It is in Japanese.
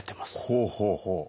ほうほうほう。